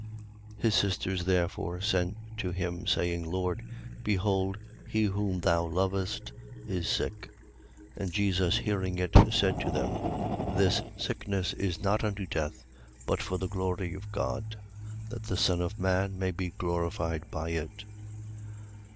11:3. His sisters therefore sent to him, saying: Lord, behold, he whom thou lovest is sick. 11:4. And Jesus hearing it, said to them: This sickness is not unto death, but for the glory of God: that the Son of God may be glorified by it.